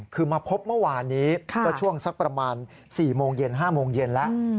คือมาพบเมื่อวานนี้ก็ช่วงสักประมาณ๔โมงเย็น๕โมงเย็นแล้ว